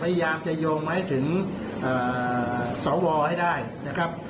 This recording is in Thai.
พยายามจะโยงมาให้ถึงสวให้ได้นะครับ